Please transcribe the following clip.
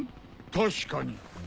確かに。